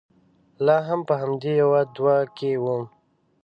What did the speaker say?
لا هم په همدې يوه دوه کې ووم.